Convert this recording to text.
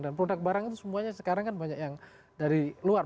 dan produk barang itu semuanya sekarang kan banyak yang dari luar